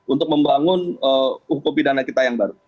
untuk membangun hukum pidana kita yang baru